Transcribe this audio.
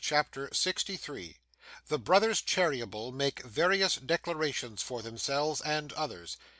CHAPTER 63 The Brothers Cheeryble make various Declarations for themselves and others.